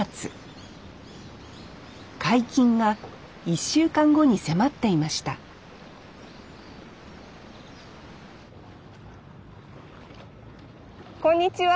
解禁が１週間後に迫っていましたこんにちは。